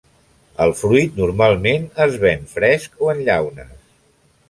El fruit normalment es ven fresc o en llaunes.